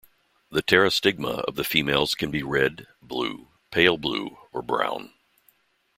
The pterostigma of the females can be red, blue, pale blue or brown.